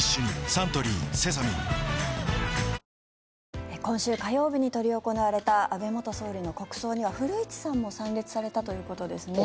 サントリー「セサミン」今週火曜日に執り行われた安倍元総理の国葬には古市さんも参列されたということですね。